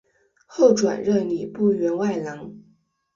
后转任礼部员外郎。